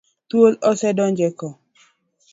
Thuol ose donjo e ko.